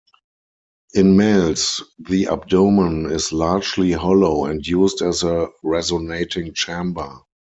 In males, the abdomen is largely hollow and used as a resonating chamber.